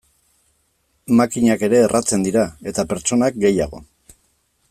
Makinak ere erratzen dira, eta pertsonak gehiago.